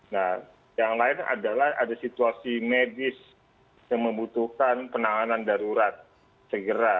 nah yang lain adalah ada situasi medis yang membutuhkan penanganan darurat segera